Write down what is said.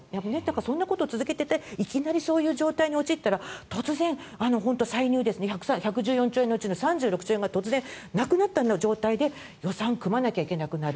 そんなことを続けていていきなりそんな状態に陥ったら突然、歳入１１４兆円のうちの３６兆円がなくなった状態で予算を組まなきゃいけなくなる。